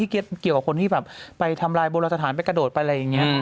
เกี่ยวกับคนที่แบบไปทำลายโบราณสถานไปกระโดดไปอะไรอย่างนี้